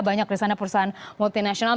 banyak di sana perusahaan multinasional